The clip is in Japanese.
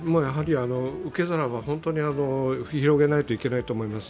受け皿は本当に広げないといけないと思います。